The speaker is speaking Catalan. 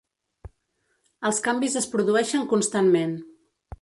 Els canvis es produeixen constantment.